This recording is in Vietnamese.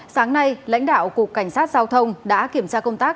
sáng nay lãnh đạo cục cảnh sát giao thông đã kiểm tra công tác